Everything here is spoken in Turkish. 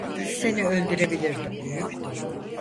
Seni öldürebilirdim.